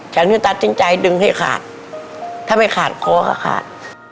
ฉันจะตัดสินใจดึงให้ขาดถ้าไม่ขาดคอก็ขาด